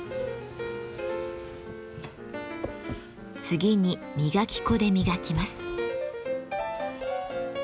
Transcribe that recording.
次に磨き粉で磨きます。